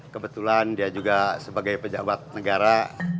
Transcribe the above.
kebetulan dia juga sebagai pejabat negara